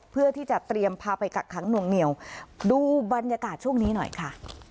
เพื่อที่จะเตรียมพาไปกักขังหน่วงเหนียวดูบรรยากาศช่วงนี้หน่อยค่ะ